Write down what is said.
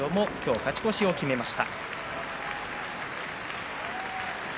勝ち越しを決めました。